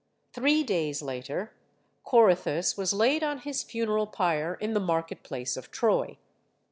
Three days later, Corythus was laid on his funeral pyre in the market place of Troy.